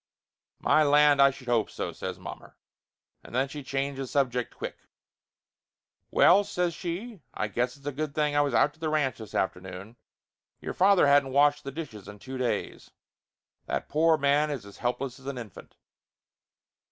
"My land, I should hope so!" says mommer. And then she changed the subject quick. "Well," says she, 282 Laughter Limited "I guess it's a good thing I was out to the ranch this afternoon. Your father hadn't washed the dishes in two days. That poor man is as helpless as a infant!"